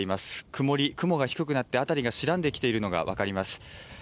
曇り、雲が低くなって、辺りが白んできているのが分かります。